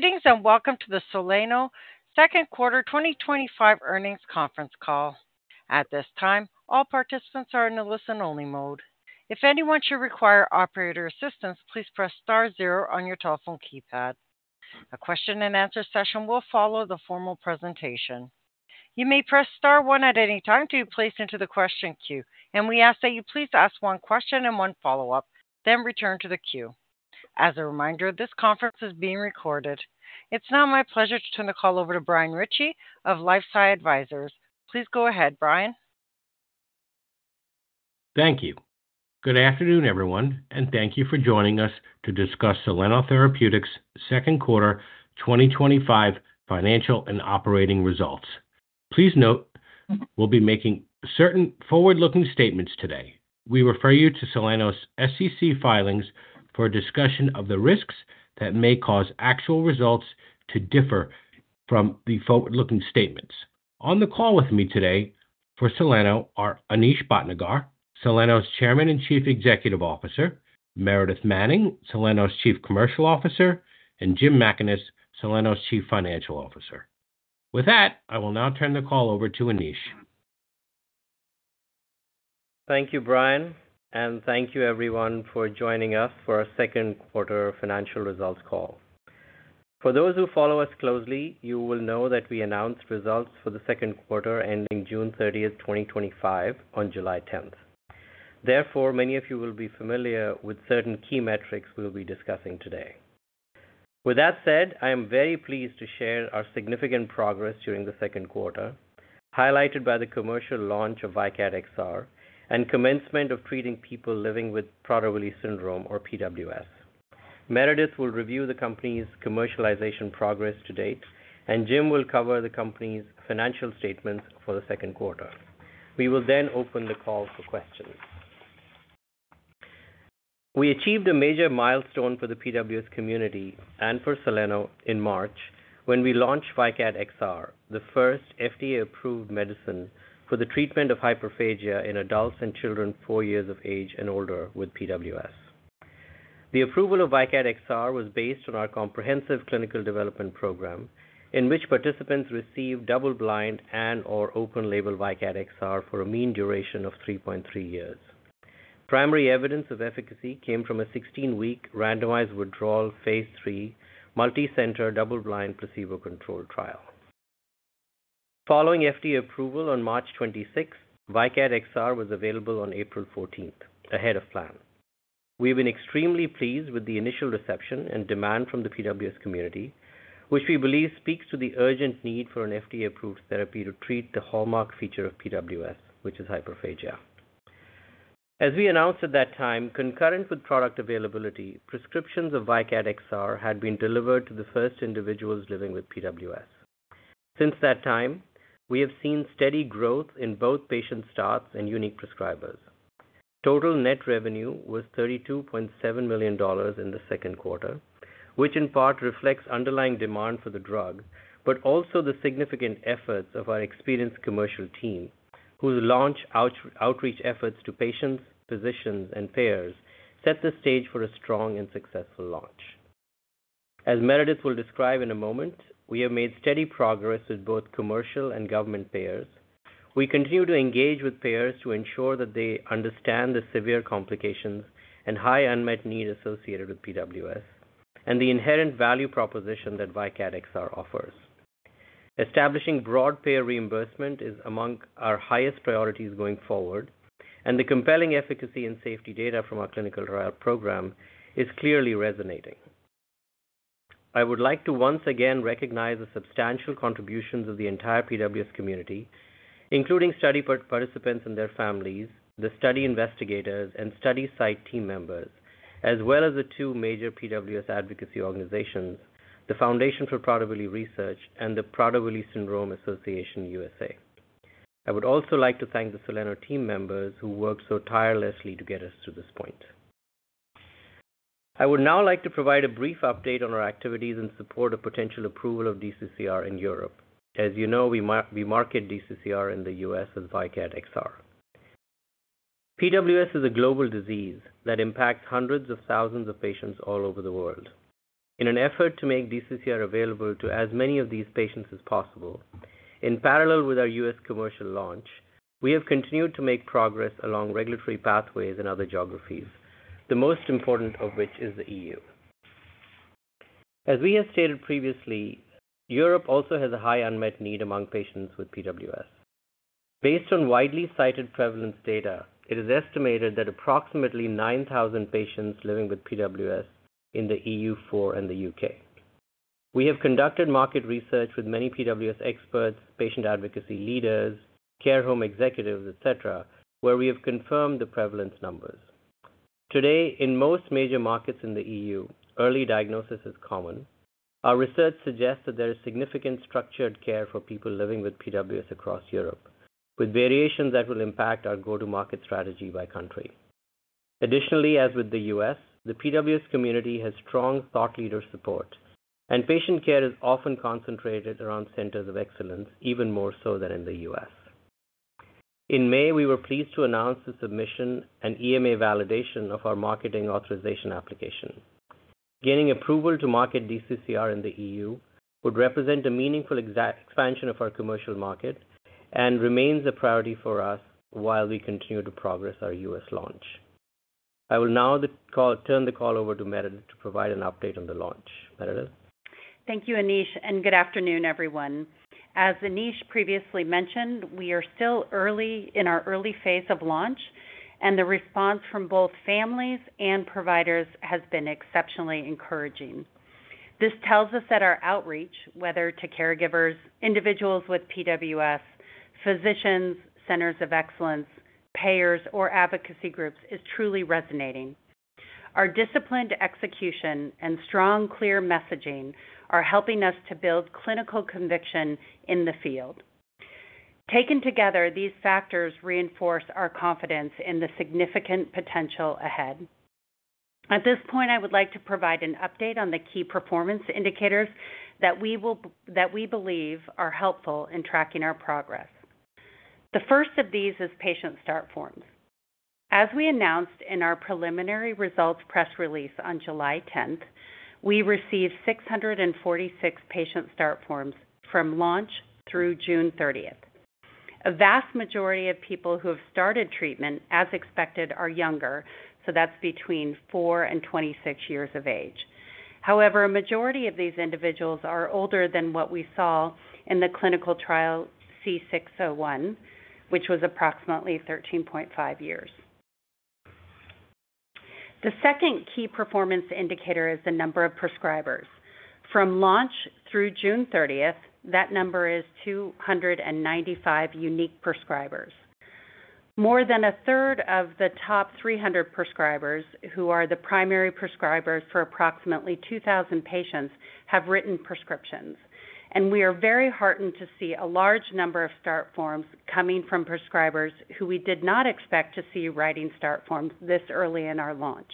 Greetings and welcome to the Soleno Second Quarter 2025 Earnings Conference Call. At this time, all participants are in a listen-only mode. If anyone should require operator assistance, please press *0 on your telephone keypad. A question and answer session will follow the formal presentation. You may press *1 at any time to be placed into the question queue, and we ask that you please ask one question and one follow-up, then return to the queue. As a reminder, this conference is being recorded. It's now my pleasure to turn the call over to Brian Ritchie of LifeSci Advisors. Please go ahead, Brian. Thank you. Good afternoon, everyone, and thank you for joining us to discuss Soleno Therapeutics' Second Quarter 2025 Financial and Operating Results. Please note we'll be making certain forward-looking statements today. We refer you to Soleno's SEC filings for a discussion of the risks that may cause actual results to differ from the forward-looking statements. On the call with me today for Soleno are Anish Bhatnagar, Soleno's Chairman and Chief Executive Officer, Meredith Manning, Soleno's Chief Commercial Officer, and Jim Mackaness, Soleno's Chief Financial Officer. With that, I will now turn the call over to Anish. Thank you, Brian, and thank you, everyone, for joining us for our Second Quarter Financial Results Call. For those who follow us closely, you will know that we announced results for the second quarter ending June 30th, 2025, on July 10th. Therefore, many of you will be familiar with certain key metrics we'll be discussing today. With that said, I am very pleased to share our significant progress during the second quarter, highlighted by the commercial launch of VYKAT XR and commencement of treating people living with Prader-Willi Syndrome, or PWS. Meredith will review the company's commercialization progress to date, and Jim will cover the company's financial statements for the second quarter. We will then open the call for questions. We achieved a major milestone for the PWS community and for Soleno in March when we launched VYKAT XR, the first FDA-approved medicine for the treatment of hyperphagia in adults and children four years of age and older with PWS. The approval of VYKAT XR was based on our comprehensive clinical development program, in which participants received double-blind and/or open-label VYKAT XR for a mean duration of 3.3 years. Primary evidence of efficacy came from a 16-week randomized withdrawal phase III, multicenter, double-blind placebo-controlled trial. Following FDA approval on March 26th, VYKAT XR was available on April 14th, ahead of plan. We've been extremely pleased with the initial reception and demand from the PWS community, which we believe speaks to the urgent need for an FDA-approved therapy to treat the hallmark feature of PWS, which is hyperphagia. As we announced at that time, concurrent with product availability, prescriptions of VYKAT XR had been delivered to the first individuals living with PWS. Since that time, we have seen steady growth in both patient starts and unique prescribers. Total net revenue was $32.7 million in the second quarter, which in part reflects underlying demand for the drug, but also the significant efforts of our experienced commercial team, whose launch outreach efforts to patients, physicians, and payers set the stage for a strong and successful launch. As Meredith will describe in a moment, we have made steady progress with both commercial and government payers. We continue to engage with payers to ensure that they understand the severe complications and high unmet need associated with PWS and the inherent value proposition that VYKAT XR offers. Establishing broad payer reimbursement is among our highest priorities going forward, and the compelling efficacy and safety data from our clinical trial program is clearly resonating. I would like to once again recognize the substantial contributions of the entire PWS community, including study participants and their families, the study investigators, and study site team members, as well as the two major PWS advocacy organizations, the Foundation for Prader-Willi Research and the Prader-Willi Syndrome Association U.S.A. I would also like to thank the Soleno team members who worked so tirelessly to get us to this point. I would now like to provide a brief update on our activities in support of potential approval of DCCR in Europe. As you know, we market DCCR in the U.S. as VYKAT XR. PWS is a global disease that impacts hundreds of thousands of patients all over the world. In an effort to make DCCR available to as many of these patients as possible, in parallel with our U.S. commercial launch, we have continued to make progress along regulatory pathways in other geographies, the most important of which is the EU. As we have stated previously, Europe also has a high unmet need among patients with PWS. Based on widely cited prevalence data, it is estimated that approximately 9,000 patients living with PWS in the EU fall in the U.K. We have conducted market research with many PWS experts, patient advocacy leaders, care home executives, etc., where we have confirmed the prevalence numbers. Today, in most major markets in the EU, early diagnosis is common. Our research suggests that there is significant structured care for people living with PWS across Europe, with variations that will impact our go-to-market strategy by country. Additionally, as with the U.S., the PWS community has strong thought leader support, and patient care is often concentrated around centers of excellence, even more so than in the U.S. In May, we were pleased to announce the submission and EMA validation of our marketing authorization application. Gaining approval to market DCCR in the EU would represent a meaningful expansion of our commercial market and remains a priority for us while we continue to progress our U.S. launch. I will now turn the call over to Meredith to provide an update on the launch. Meredith? Thank you, Anish, and good afternoon, everyone. As Anish previously mentioned, we are still early in our early phase of launch, and the response from both families and providers has been exceptionally encouraging. This tells us that our outreach, whether to caregivers, individuals with PWS, physicians, centers of excellence, payers, or advocacy groups, is truly resonating. Our disciplined execution and strong, clear messaging are helping us to build clinical conviction in the field. Taken together, these factors reinforce our confidence in the significant potential ahead. At this point, I would like to provide an update on the key performance indicators that we believe are helpful in tracking our progress. The first of these is patient start forms. As we announced in our preliminary results press release on July 10th, we received 646 patient start forms from launch through June 30th. A vast majority of people who have started treatment, as expected, are younger, so that's between 4 and 26 years of age. However, a majority of these individuals are older than what we saw in the clinical trial C601, which was approximately 13.5 years. The second key performance indicator is the number of prescribers. From launch through June 30th, that number is 295 unique prescribers. More than a third of the top 300 prescribers, who are the primary prescribers for approximately 2,000 patients, have written prescriptions, and we are very heartened to see a large number of start forms coming from prescribers who we did not expect to see writing start forms this early in our launch.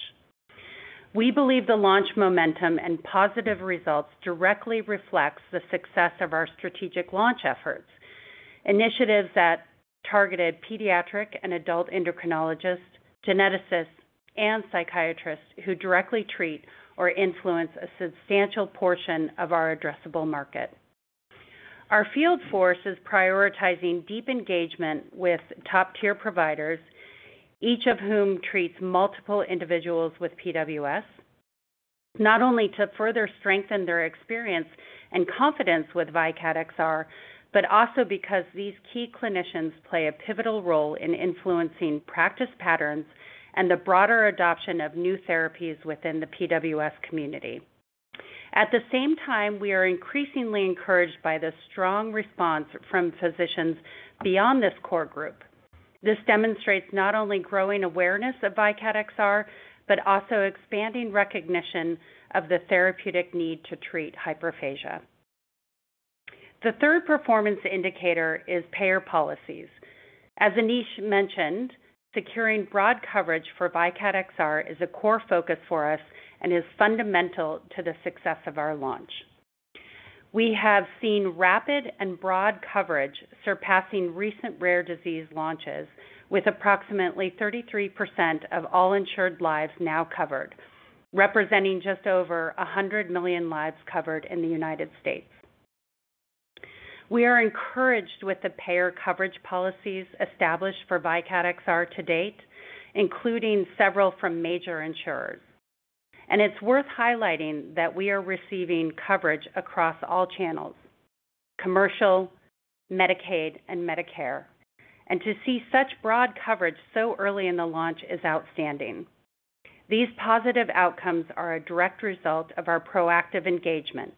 We believe the launch momentum and positive results directly reflect the success of our strategic launch efforts, initiatives that targeted pediatric and adult endocrinologists, geneticists, and psychiatrists who directly treat or influence a substantial portion of our addressable market. Our field force is prioritizing deep engagement with top-tier providers, each of whom treats multiple individuals with PWS, not only to further strengthen their experience and confidence with VYKAT XR, but also because these key clinicians play a pivotal role in influencing practice patterns and the broader adoption of new therapies within the PWS community. At the same time, we are increasingly encouraged by the strong response from physicians beyond this core group. This demonstrates not only growing awareness of VYKAT XR, but also expanding recognition of the therapeutic need to treat hyperphagia. The third performance indicator is payer policies. As Anish mentioned, securing broad coverage for VYKAT XR is a core focus for us and is fundamental to the success of our launch. We have seen rapid and broad coverage surpassing recent rare disease launches, with approximately 33% of all insured lives now covered, representing just over 100 million lives covered in the United States. We are encouraged with the payer coverage policies established for VYKAT XR to date, including several from major insurers. It is worth highlighting that we are receiving coverage across all channels: commercial, Medicaid, and Medicare. To see such broad coverage so early in the launch is outstanding. These positive outcomes are a direct result of our proactive engagement,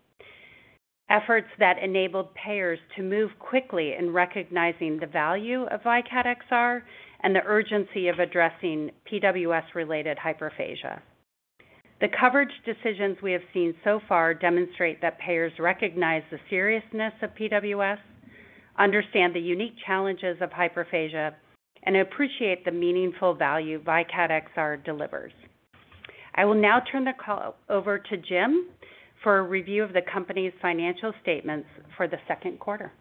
efforts that enabled payers to move quickly in recognizing the value of VYKAT XR and the urgency of addressing PWS-related hyperphagia. The coverage decisions we have seen so far demonstrate that payers recognize the seriousness of PWS, understand the unique challenges of hyperphagia, and appreciate the meaningful value VYKAT XR delivers. I will now turn the call over to Jim for a review of the company's financial statements for the second quarter.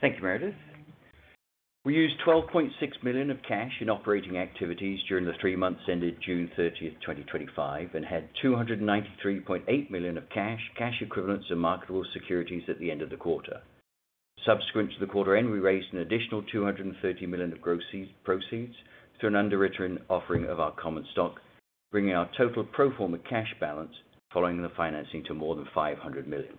Thank you, Meredith. We used $12.6 million of cash in operating activities during the three months ended June 30, 2025, and had $293.8 million of cash, cash equivalents, and marketable securities at the end of the quarter. Subsequent to the quarter end, we raised an additional $230 million of gross proceeds through an underwritten offering of our common stock, bringing our total pro forma cash balance following the financing to more than $500 million.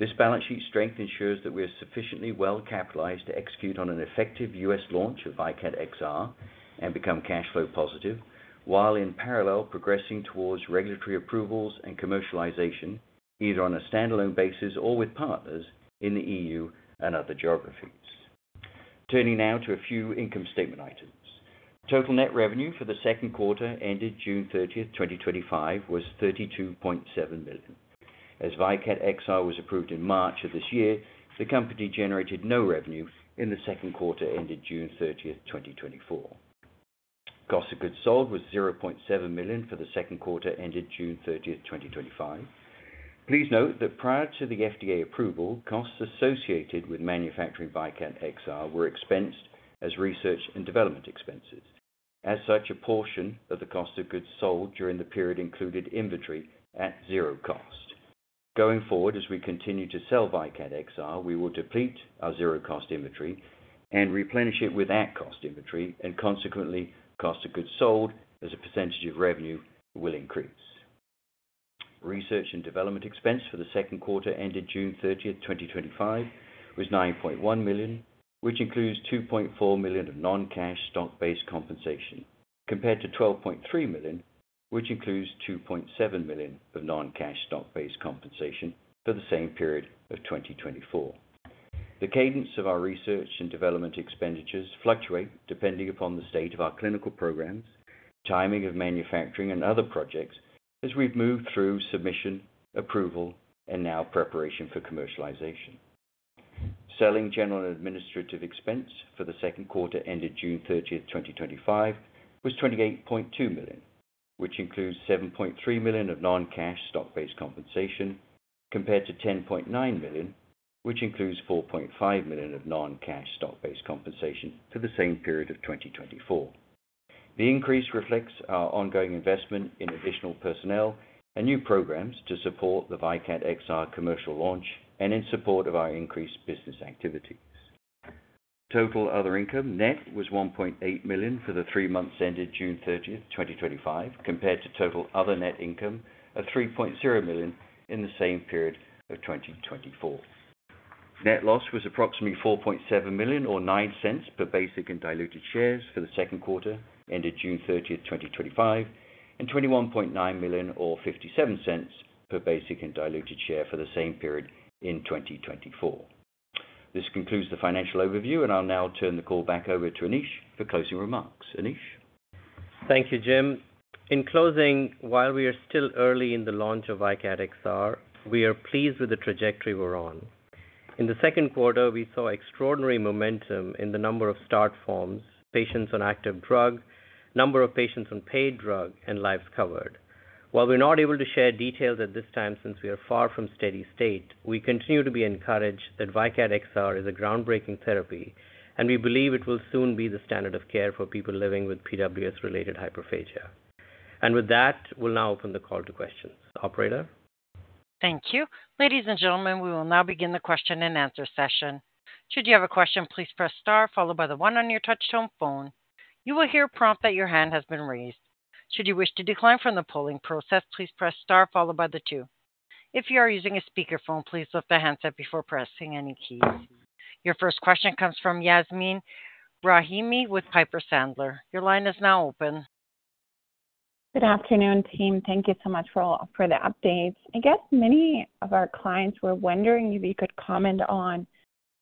This balance sheet strength ensures that we are sufficiently well-capitalized to execute on an effective U.S. launch of VYKAT XR and become cash flow positive, while in parallel progressing towards regulatory approvals and commercialization, either on a standalone basis or with partners in Europe and other geographies. Turning now to a few income statement items. Total net revenue for the second quarter ended June 30, 2025, was $32.7 million. As VYKAT XR was approved in March of this year, the company generated no revenue in the second quarter ended June 30, 2024. Cost of goods sold was $0.7 million for the second quarter ended June 30, 2025. Please note that prior to the FDA approval, costs associated with manufacturing VYKAT XR were expensed as research and development expenses. As such, a portion of the cost of goods sold during the period included inventory at zero cost. Going forward, as we continue to sell VYKAT XR, we will deplete our zero-cost inventory and replenish it with at-cost inventory, and consequently, cost of goods sold as a percentage of revenue will increase. Research and development expense for the second quarter ended June 30, 2025, was $9.1 million, which includes $2.4 million of non-cash stock-based compensation, compared to $12.3 million, which includes $2.7 million of non-cash stock-based compensation for the same period of 2024. The cadence of our research and development expenditures fluctuates depending upon the state of our clinical programs, timing of manufacturing, and other projects as we've moved through submission, approval, and now preparation for commercialization. Selling, general, and administrative expense for the second quarter ended June 30, 2025, was $28.2 million, which includes $7.3 million of non-cash stock-based compensation, compared to $10.9 million, which includes $4.5 million of non-cash stock-based compensation for the same period of 2024. The increase reflects our ongoing investment in additional personnel and new programs to support the VYKAT XR commercial launch and in support of our increased business activity. Total other income, net, was $1.8 million for the three months ended June 30, 2025, compared to total other net income of $3.0 million in the same period of 2024. Net loss was approximately $4.7 million or $0.09 per basic and diluted share for the second quarter ended June 30, 2025, and $21.9 million or $0.57 per basic and diluted share for the same period in 2024. This concludes the financial overview, and I'll now turn the call back over to Anish for closing remarks. Anish? Thank you, Jim. In closing, while we are still early in the launch of VYKAT XR, we are pleased with the trajectory we're on. In the second quarter, we saw extraordinary momentum in the number of start forms, patients on active drug, number of patients on paid drug, and lives covered. While we're not able to share details at this time since we are far from a steady state, we continue to be encouraged that VYKAT XR is a groundbreaking therapy, and we believe it will soon be the standard of care for people living with PWS-related hyperphagia. With that, we'll now open the call to questions. Operator? Thank you. Ladies and gentlemen, we will now begin the question and answer session. Should you have a question, please press * followed by the 1 on your touch-tone phone. You will hear a prompt that your hand has been raised. Should you wish to decline from the polling process, please press * followed by the 2. If you are using a speaker phone, please lift the handset before pressing any keys. Your first question comes from Yasmeen Rahimi with Piper Sandler. Your line is now open. Good afternoon, team. Thank you so much for all the updates. I guess many of our clients were wondering if you could comment on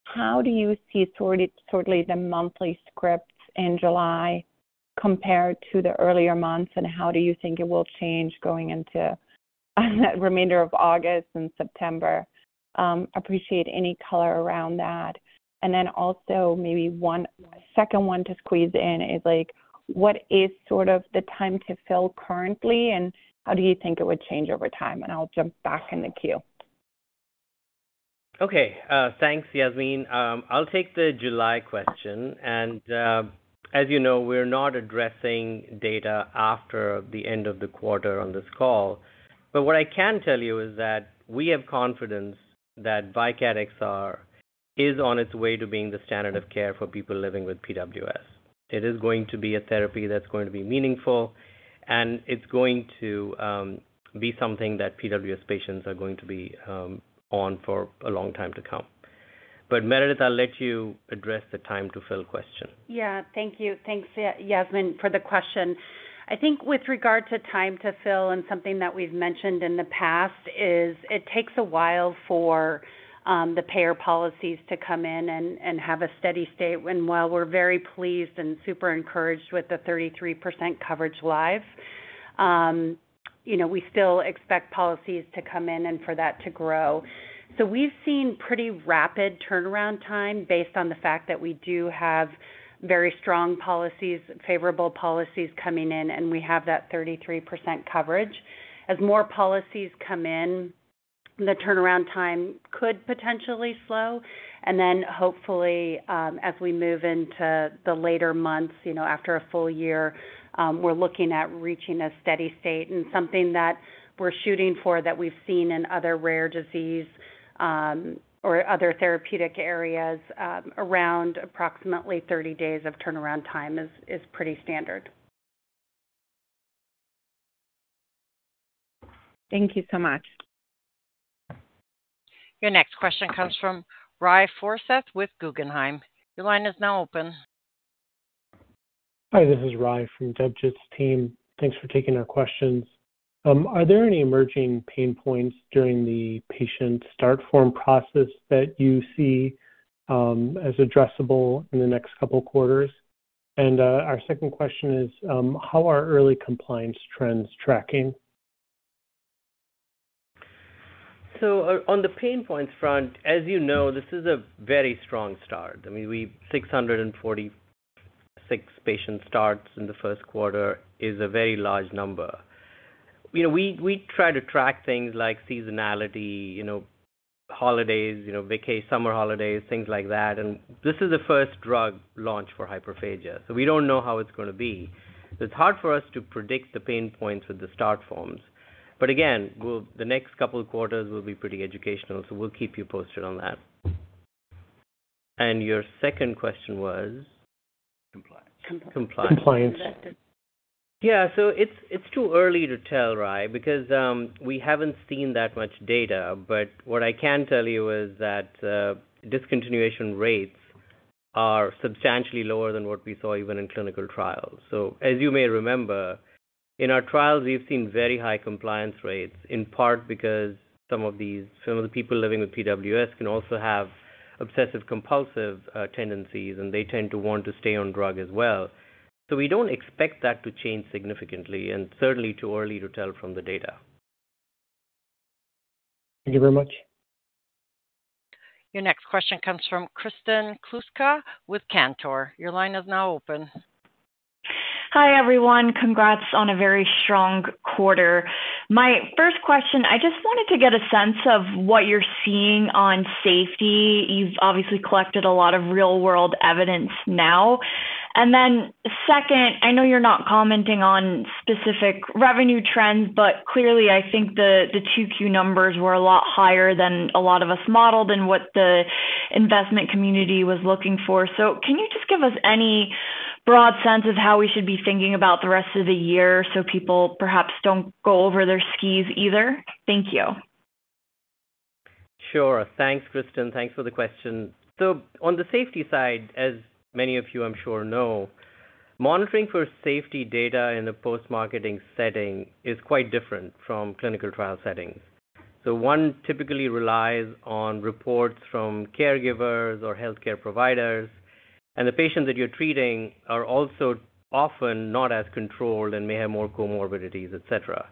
how you see sort of the monthly scripts in July compared to the earlier months, and how you think it will change going into the remainder of August and September. I appreciate any color around that. Also, maybe one second one to squeeze in is, what is sort of the time to fill currently, and how do you think it would change over time? I'll jump back in the queue. Okay, thanks, Yasmeen. I'll take the July question. As you know, we're not addressing data after the end of the quarter on this call. What I can tell you is that we have confidence that VYKAT XR is on its way to being the standard of care for people living with PWS. It is going to be a therapy that's going to be meaningful, and it's going to be something that PWS patients are going to be on for a long time to come. Meredith, I'll let you address the time to fill question. Yeah, thank you. Thanks, Yasmeen, for the question. I think with regard to time to fill and something that we've mentioned in the past is it takes a while for the payer policies to come in and have a steady state. While we're very pleased and super encouraged with the 33% coverage live, you know, we still expect policies to come in and for that to grow. We've seen pretty rapid turnaround time based on the fact that we do have very strong policies, favorable policies coming in, and we have that 33% coverage. As more policies come in, the turnaround time could potentially slow. Hopefully, as we move into the later months, you know, after a full year, we're looking at reaching a steady state. Something that we're shooting for that we've seen in other rare disease or other therapeutic areas, around approximately 30 days of turnaround time is pretty standard. Thank you so much. Your next question comes from Ry Forseth with Guggenheim. Your line is now open. Hi, this is Ry from DovJits team. Thanks for taking our questions. Are there any emerging pain points during the patient start form process that you see as addressable in the next couple of quarters? Our second question is, how are early compliance trends tracking? On the pain points front, as you know, this is a very strong start. I mean, 646 patient starts in the first quarter is a very large number. We try to track things like seasonality, holidays, vacay, summer holidays, things like that. This is the first drug launch for hyperphagia, so we don't know how it's going to be. It's hard for us to predict the pain points with the start forms. The next couple of quarters will be pretty educational, so we'll keep you posted on that. Your second question was? Compliance. Compliance. Compliance. Yeah, it's too early to tell, Ry, because we haven't seen that much data. What I can tell you is that discontinuation rates are substantially lower than what we saw even in clinical trials. As you may remember, in our trials, we've seen very high compliance rates, in part because some of the people living with PWS can also have obsessive-compulsive tendencies, and they tend to want to stay on drug as well. We don't expect that to change significantly, and it's certainly too early to tell from the data. Thank you very much. Your next question comes from Kristen Kluska with Cantor. Your line is now open. Hi, everyone. Congrats on a very strong quarter. My first question, I just wanted to get a sense of what you're seeing on safety. You've obviously collected a lot of real-world evidence now. I know you're not commenting on specific revenue trends, but clearly, I think the Q2 numbers were a lot higher than a lot of us modeled and what the investment community was looking for. Can you just give us any broad sense of how we should be thinking about the rest of the year so people perhaps don't go over their skis either? Thank you. Sure. Thanks, Kristen. Thanks for the question. On the safety side, as many of you, I'm sure, know, monitoring for safety data in the post-marketing setting is quite different from clinical trial settings. One typically relies on reports from caregivers or healthcare providers, and the patients that you're treating are also often not as controlled and may have more comorbidities, et cetera.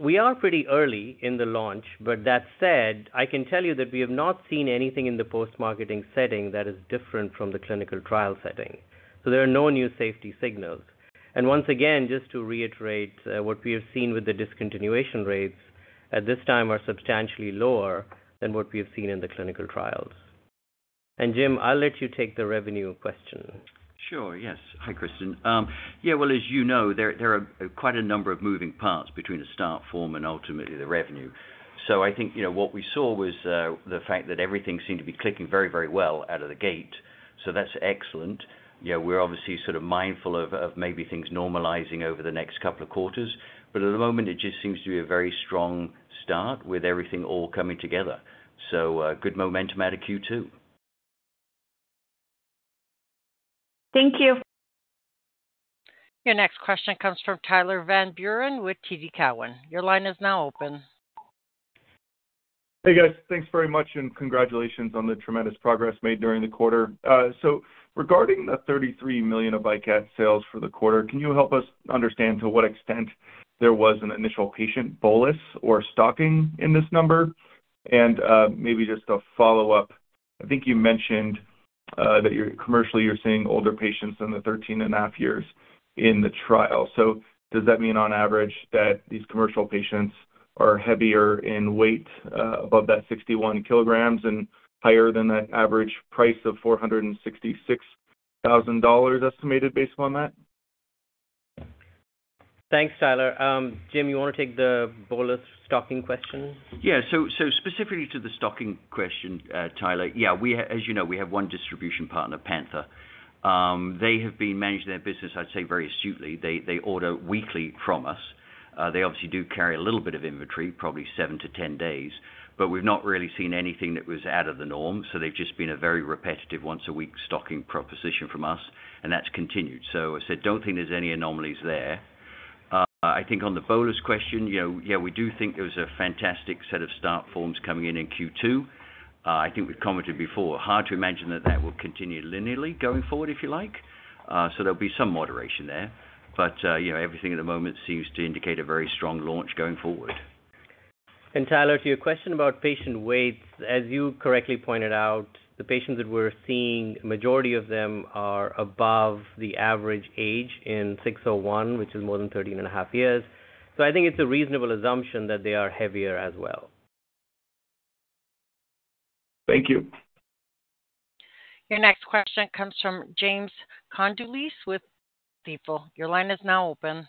We are pretty early in the launch, but that said, I can tell you that we have not seen anything in the post-marketing setting that is different from the clinical trial setting. There are no new safety signals. Once again, just to reiterate, what we have seen with the discontinuation rates at this time are substantially lower than what we have seen in the clinical trials. Jim, I'll let you take the revenue question. Sure. Yes. Hi, Kristen. As you know, there are quite a number of moving parts between the start form and ultimately the revenue. I think what we saw was the fact that everything seemed to be clicking very, very well out of the gate. That's excellent. We're obviously sort of mindful of maybe things normalizing over the next couple of quarters. At the moment, it just seems to be a very strong start with everything all coming together. Good momentum out of Q2. Thank you. Your next question comes from Tyler Van Buren with TD Cowen. Your line is now open. Hey, guys. Thanks very much, and congratulations on the tremendous progress made during the quarter. Regarding the $33 million of VYKAT sales for the quarter, can you help us understand to what extent there was an initial patient bolus or stocking in this number? I think you mentioned that commercially, you're seeing older patients than the 13.5 years in the trial. Does that mean on average that these commercial patients are heavier in weight, above that 61 kg, and higher than that average price of $466,000 estimated based upon that? Thanks, Tyler. Jim, you want to take the bolus stocking question? Yeah, so specifically to the stocking question, Tyler, we, as you know, we have one distribution partner, Panther. They have been managing their business, I'd say, very astutely. They order weekly from us. They obviously do carry a little bit of inventory, probably 7-10 days, but we've not really seen anything that was out of the norm. They've just been a very repetitive once-a-week stocking proposition from us, and that's continued. I don't think there's any anomalies there. I think on the bolus question, we do think there was a fantastic set of start forms coming in in Q2. I think we've commented before, hard to imagine that that will continue linearly going forward, if you like. There'll be some moderation there. Everything at the moment seems to indicate a very strong launch going forward. Tyler, to your question about patient weight, as you correctly pointed out, the patients that we're seeing, the majority of them are above the average age in C601, which is more than 13.5 years. I think it's a reasonable assumption that they are heavier as well. Thank you. Your next question comes from James Condulis with Stifel. Your line is now open.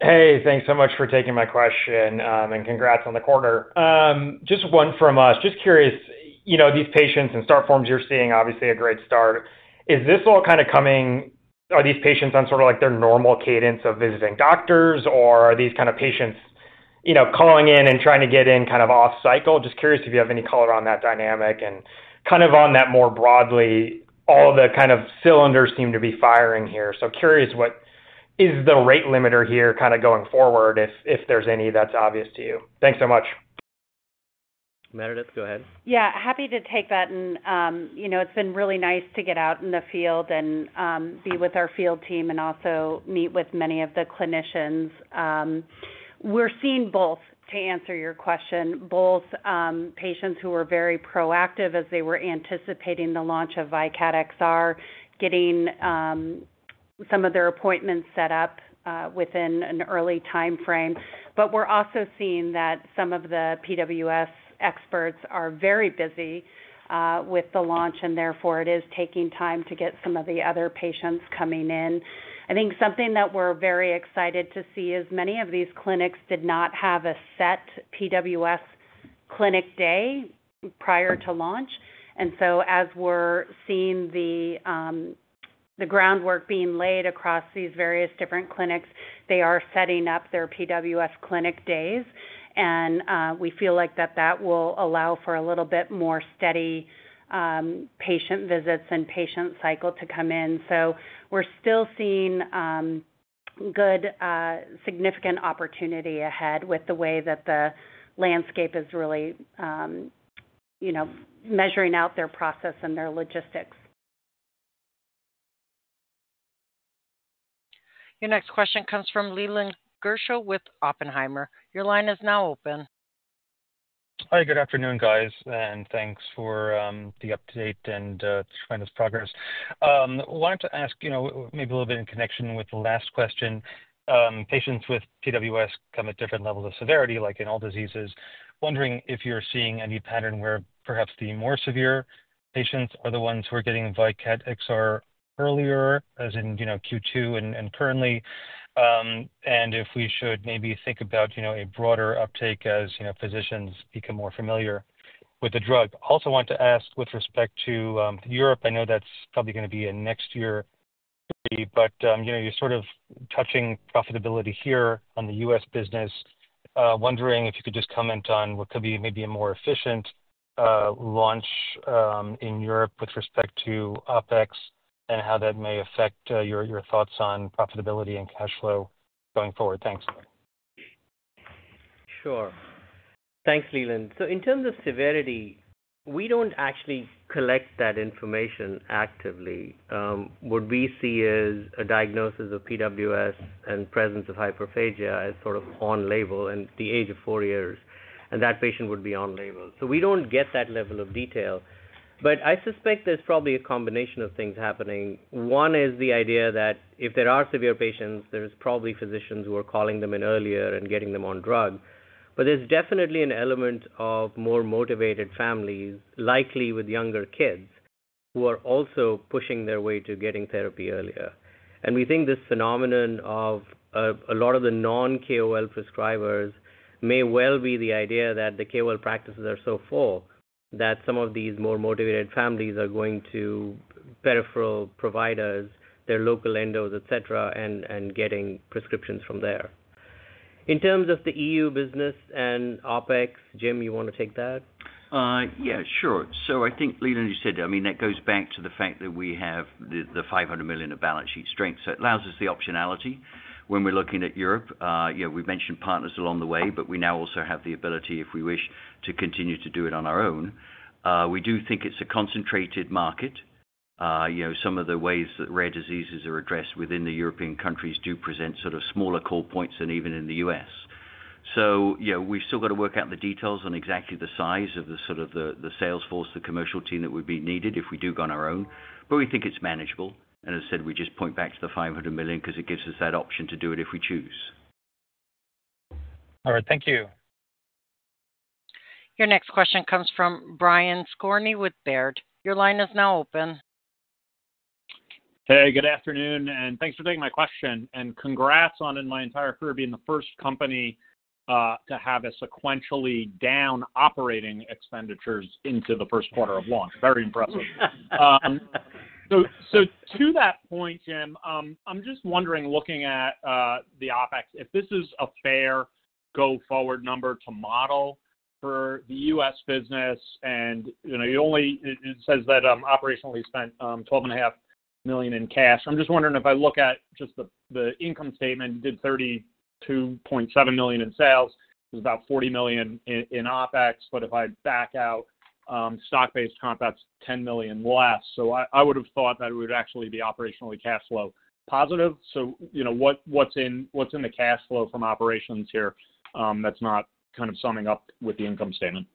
Hey, thanks so much for taking my question, and congrats on the quarter. Just one from us. Just curious, you know, these patients and start forms you're seeing, obviously a great start. Is this all kind of coming? Are these patients on sort of like their normal cadence of visiting doctors, or are these kind of patients, you know, calling in and trying to get in kind of off cycle? Just curious if you have any color on that dynamic and kind of on that more broadly. All the kind of cylinders seem to be firing here. Curious what is the rate limiter here kind of going forward if there's any that's obvious to you. Thanks so much. Meredith, go ahead. Yeah, happy to take that. You know, it's been really nice to get out in the field and be with our field team and also meet with many of the clinicians. We're seeing both, to answer your question, both patients who were very proactive as they were anticipating the launch of VYKAT XR, getting some of their appointments set up within an early timeframe. We're also seeing that some of the PWS experts are very busy with the launch, and therefore it is taking time to get some of the other patients coming in. I think something that we're very excited to see is many of these clinics did not have a set PWS clinic day prior to launch. As we're seeing the groundwork being laid across these various different clinics, they are setting up their PWS clinic days, and we feel like that will allow for a little bit more steady patient visits and patient cycle to come in. We're still seeing good, significant opportunity ahead with the way that the landscape is really, you know, measuring out their process and their logistics. Your next question comes from Leland Gershell with Oppenheimer. Your line is now open. Hi, good afternoon, guys, and thanks for the update and tremendous progress. I wanted to ask, you know, maybe a little bit in connection with the last question. Patients with PWS come at different levels of severity, like in all diseases. Wondering if you're seeing any pattern where perhaps the more severe patients are the ones who are getting VYKAT XR earlier, as in, you know, Q2 and currently. If we should maybe think about, you know, a broader uptake as, you know, physicians become more familiar with the drug. I also want to ask with respect to Europe. I know that's probably going to be in next year, but, you know, you're sort of touching profitability here on the U.S. business. Wondering if you could just comment on what could be maybe a more efficient launch in Europe with respect to OpEx and how that may affect your thoughts on profitability and cash flow going forward. Thanks. Sure. Thanks, Leland. In terms of severity, we don't actually collect that information actively. What we see is a diagnosis of PWS and presence of hyperphagia is sort of on label and the age of four years, and that patient would be on label. We don't get that level of detail. I suspect there's probably a combination of things happening. One is the idea that if there are severe patients, there's probably physicians who are calling them in earlier and getting them on drug. There's definitely an element of more motivated families, likely with younger kids, who are also pushing their way to getting therapy earlier. We think this phenomenon of a lot of the non-KOL prescribers may well be the idea that the KOL practices are so full that some of these more motivated families are going to peripheral providers, their local endos, et cetera, and getting prescriptions from there. In terms of the EU business and OpEx, Jim, you want to take that? Yeah, sure. I think, Leland, you said, that goes back to the fact that we have the $500 million of balance sheet strength. It allows us the optionality when we're looking at Europe. We mentioned partners along the way, but we now also have the ability, if we wish, to continue to do it on our own. We do think it's a concentrated market. Some of the ways that rare diseases are addressed within the European countries do present sort of smaller call points than even in the U.S. We've still got to work out the details on exactly the size of the sales force, the commercial team that would be needed if we do go on our own. We think it's manageable. As I said, we just point back to the $500 million because it gives us that option to do it if we choose. All right, thank you. Your next question comes from Brian Skorney with Baird. Your line is now open. Hey, good afternoon, and thanks for taking my question. Congrats on, in my entire career, being the first company to have a sequentially down operating expenditures into the first quarter of launch. Very impressive. To that point, Jim, I'm just wondering, looking at the OpEx, if this is a fair go-forward number to model for the U.S. business, and you know, you only, it says that operationally spent $12.5 million in cash. I'm just wondering if I look at just the income statement, you did $32.7 million in sales. It was about $40 million in OpEx. If I back out stock-based comp, that's $10 million less. I would have thought that we would actually be operationally cash flow positive. What's in the cash flow from operations here that's not kind of summing up with the income statement?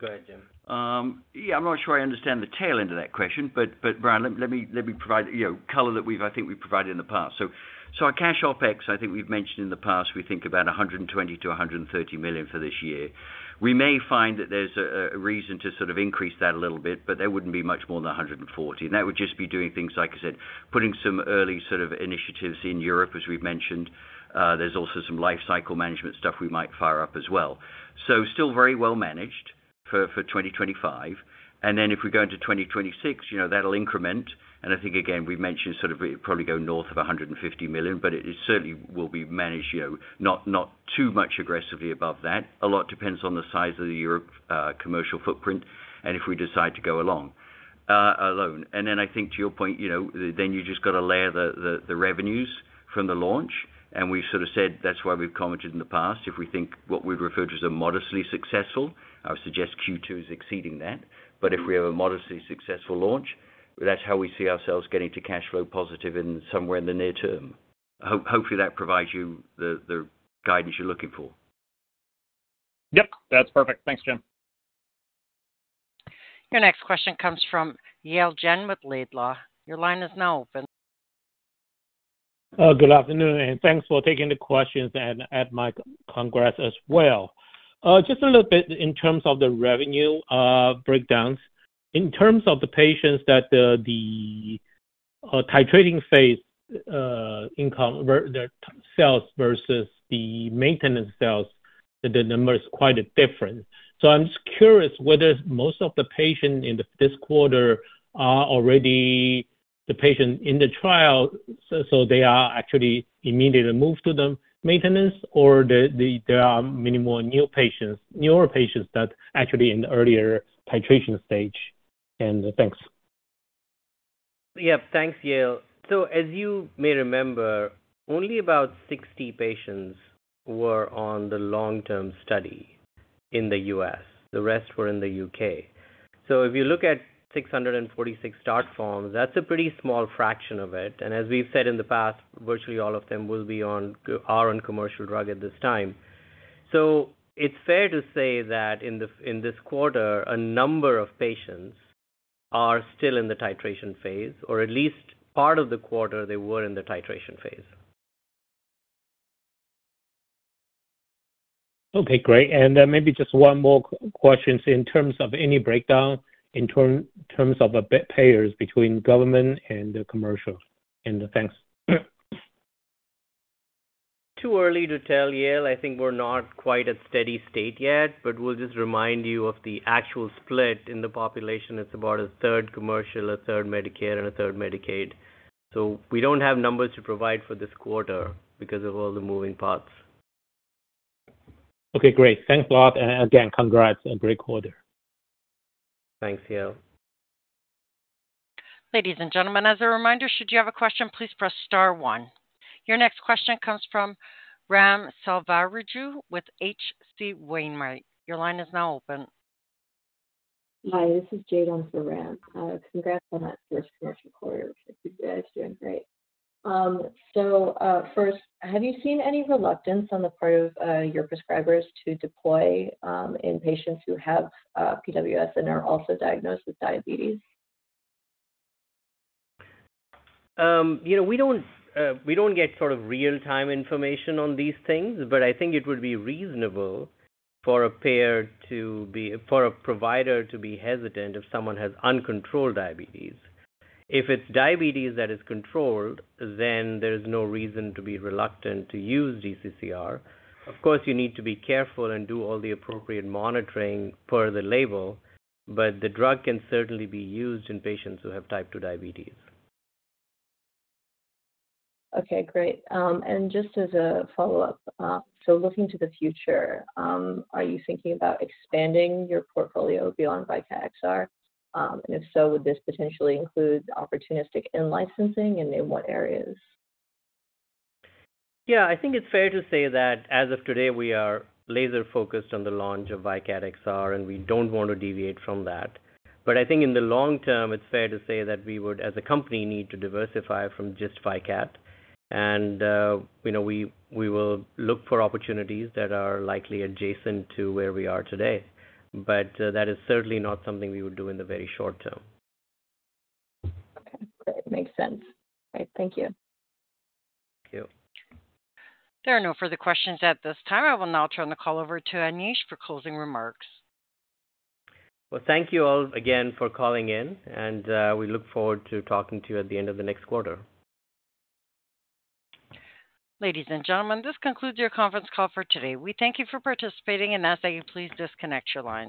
Go ahead, Jim. I'm not sure I understand the tail end of that question, but Brian, let me provide the color that we've, I think we've provided in the past. Our cash OpEx, I think we've mentioned in the past, we think about $120 million-$130 million for this year. We may find that there's a reason to increase that a little bit, but there wouldn't be much more than $140 million. That would just be doing things, like I said, putting some early initiatives in Europe, as we've mentioned. There's also some life cycle management stuff we might fire up as well. Still very well managed for 2025. If we go into 2026, that'll increment. I think, again, we mentioned it probably going north of $150 million, but it certainly will be managed, not too much aggressively above that. A lot depends on the size of the Europe commercial footprint and if we decide to go along alone. I think to your point, you just got to layer the revenues from the launch. We've sort of said, that's why we've commented in the past. If we think what we've referred to as a modestly successful, I would suggest Q2 is exceeding that. If we have a modestly successful launch, that's how we see ourselves getting to cash flow positive in somewhere in the near term. Hopefully, that provides you the guidance you're looking for. Yep, that's perfect. Thanks, Jim. Your next question comes from Yale Jen with Laidlaw. Your line is now open. Good afternoon, and thanks for taking the questions and add my congrats as well. Just a little bit in terms of the revenue breakdowns. In terms of the patients that the titrating phase income, the cells versus the maintenance cells, the number is quite different. I'm just curious whether most of the patients in this quarter are already the patients in the trial, so they are actually immediately moved to the maintenance, or there are many more newer patients that are actually in the earlier titration stage? Thanks. Yep, thanks, Yale. As you may remember, only about 60 patients were on the long-term study in the U.S. The rest were in the U.K. If you look at 646 start forms, that's a pretty small fraction of it. As we've said in the past, virtually all of them will be on our own commercial drug at this time. It's fair to say that in this quarter, a number of patients are still in the titration phase, or at least part of the quarter they were in the titration phase. Okay, great. Maybe just one more question. In terms of any breakdown in terms of payers between government and the commercial, thanks. Too early to tell, Yale. I think we're not quite at a steady state yet, but we'll just remind you of the actual split in the population. It's about a third commercial, a third Medicare, and a third Medicaid. We don't have numbers to provide for this quarter because of all the moving parts. Okay, great. Thanks a lot. Again, congrats and great quarter. Thanks, Yale. Ladies and gentlemen, as a reminder, should you have a question, please press *1. Your next question comes from Ram Selvaraju with H.C. Wainwright. Your line is now open. Hi, this is Jade on for Ram. Congrats on that first commercial quarter. You're doing great. First, have you seen any reluctance on the part of your prescribers to deploy in patients who have PWS and are also diagnosed with diabetes? You know, we don't get sort of real-time information on these things, but I think it would be reasonable for a payer to be, for a provider to be hesitant if someone has uncontrolled diabetes. If it's diabetes that is controlled, then there's no reason to be reluctant to use DCCR. Of course, you need to be careful and do all the appropriate monitoring per the label, but the drug can certainly be used in patients who have type 2 diabetes. Okay, great. Just as a follow-up, looking to the future, are you thinking about expanding your portfolio beyond VYKAT XR? If so, would this potentially include opportunistic in-licensing and in what areas? Yeah, I think it's fair to say that as of today, we are laser-focused on the launch of VYKAT XR, and we don't want to deviate from that. I think in the long term, it's fair to say that we would, as a company, need to diversify from just VYKAT. You know, we will look for opportunities that are likely adjacent to where we are today. That is certainly not something we would do in the very short term. Makes sense. All right, thank you. Thank you. There are no further questions at this time. I will now turn the call over to Anish for closing remarks. Thank you all again for calling in, and we look forward to talking to you at the end of the next quarter. Ladies and gentlemen, this concludes your conference call for today. We thank you for participating and ask that you please disconnect your lines.